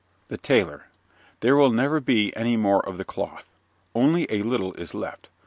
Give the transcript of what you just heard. THE TAILOR There will never be any more of the cloth. Only a little is left.